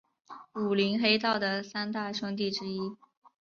武林黑道的三大凶地之一。